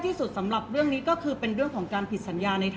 เพราะว่าสิ่งเหล่านี้มันเป็นสิ่งที่ไม่มีพยาน